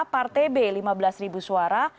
partai b lima belas ribu suara